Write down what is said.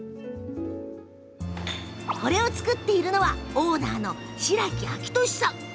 作っているのは、オーナーの白木亮年さん。